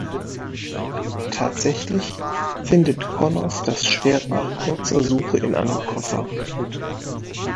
Tatsächlich findet Connors das Schwert nach kurzer Suche in einem Koffer.